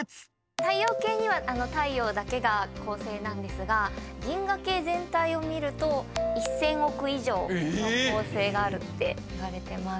太陽系には太陽だけが恒星なんですが銀河系全体を見ると１，０００億以上の恒星があるっていわれてます。